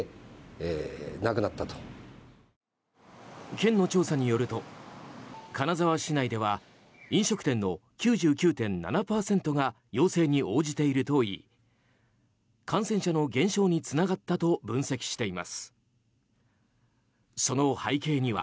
県の調査によると金沢市内では飲食店の９９．７％が要請に応じているといい感染者の減少につながったと分析しています。